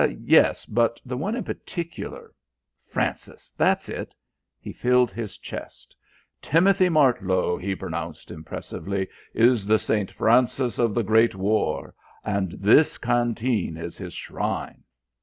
"Yes, but the one in particular. Francis. That's it." He filled his chest. "Timothy Martlow," he pronounced impressively, "is the St. Francis of the Great War, and this Canteen is his shrine.